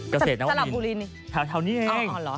กระเศษนวมวินแถวนี้เองอ๋อเหรอ